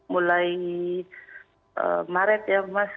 mulai maret ya mas